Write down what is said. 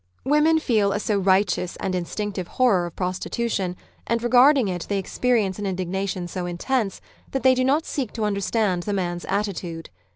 Women feel a so righteous and instinctive horror of prostitution, and regarding it they experience an indignation so intense, that they do not seek to under stand the man's attitude.